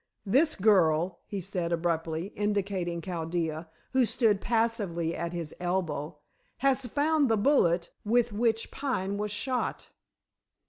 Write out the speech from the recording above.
"This girl," he said abruptly, indicating Chaldea, who stood passively at his elbow, "has found the bullet with which Pine was shot."